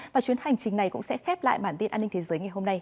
và chuyến hành trình này cũng sẽ khép lại bản tin an ninh thế giới ngày hôm nay